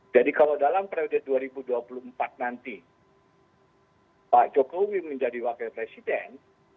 jadi kalau dalam periode dua ribu dua puluh empat nanti pak jokowi menjadi wakil presiden